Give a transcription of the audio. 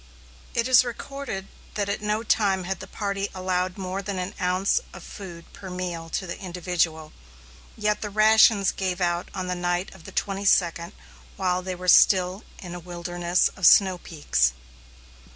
It is recorded that at no time had the party allowed more than an ounce of food per meal to the individual, yet the rations gave out on the night of the twenty second, while they were still in a wilderness of snow peaks.